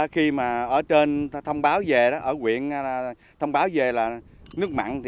khi mà ở trên thông báo về đó ở quyện là thông báo về là nước mặn